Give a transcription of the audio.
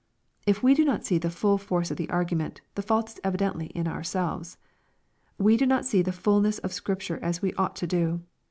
If we do not see the fiill force of the argument, the fault is evidently in ourselves. We do not see the fulness of Scripture as we ought to do.